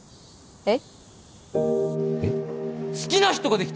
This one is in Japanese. えっ